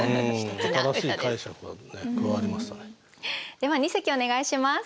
では二席お願いします。